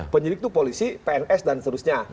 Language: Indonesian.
penyidik itu polisi pns dan seterusnya